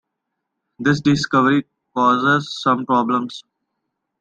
This discovery causes some problems.